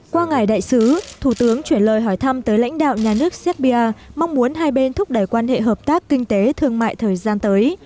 qua ngài đại sứ thủ tướng chuyển lời hỏi thăm tới lãnh đạo nhà nước serbia mong muốn hai bên thúc đẩy quan hệ hợp tác kinh tế thương mại thời gian tới